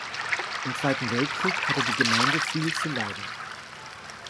Im Zweiten Weltkrieg hatte die Gemeinde viel zu leiden.